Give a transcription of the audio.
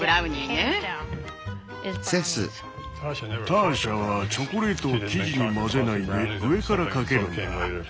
ターシャはチョコレートを生地に混ぜないで上からかけるんだ。